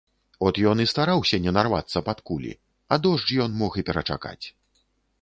От ён і стараўся не нарвацца пад кулі, а дождж ён мог і перачакаць.